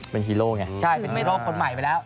เป็นฮีโร่ไงคืออ่าาาาใช่เป็นฮีโร่คนใหม่ไปแล้ว